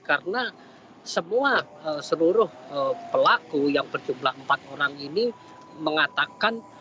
karena semua seluruh pelaku yang berjumlah empat orang ini mengatakan